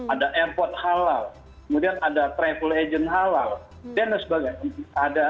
ada airport halal kemudian ada travel agent halal dan lain sebagainya